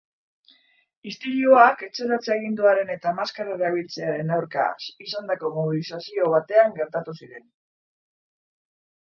Istiluak etxeratze-aginduaren eta maskara erabiltzearen aurka zandako mobilizazio batean gertatu ziren.